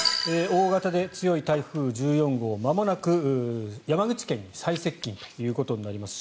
大型で強い台風１４号まもなく山口県に最接近ということになります。